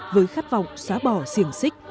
với khát vọng xóa bỏ siềng xích